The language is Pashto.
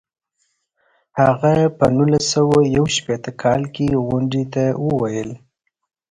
هغه په نولس سوه یو شپیته کال کې غونډې ته وویل.